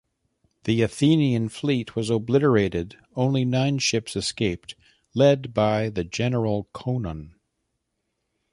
The Athenian fleet was obliterated; only nine ships escaped, led by the general Conon.